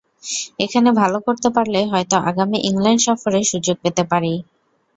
এখানে ভালো করতে পারলে হয়তো আগামী ইংল্যান্ড সফরে সুযোগ পেতে পারি।